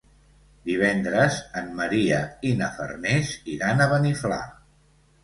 Divendres en Maria i na Farners iran a Beniflà.